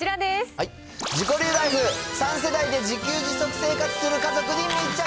自己流ライフ、３世代で自給自足生活する家族に密着。